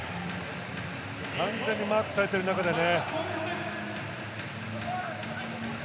完全にマークされている中でね。